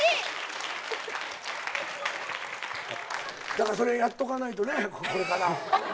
だからそれやっとかないとねこれから。